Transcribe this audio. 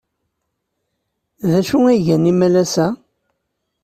D acu ay gan imalas-a?